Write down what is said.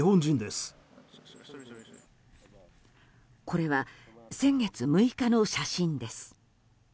これは先月６日の写真です。